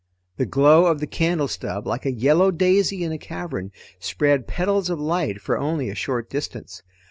The glow of the candle stub, like a yellow daisy in a cavern, spread petals of light for only a short distance.